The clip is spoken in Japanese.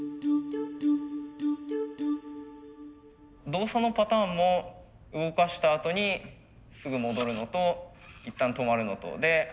動作のパターンも動かしたあとにすぐ戻るのと一旦止まるのとで